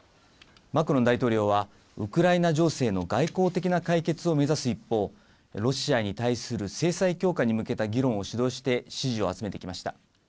マクロン大統領は、ウクライナ情勢の外交的な解決を目指す一方、ロシアに対する制裁強化に向けた議論を主導して支持を集めてきました。